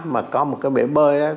mà có một cái bể bơi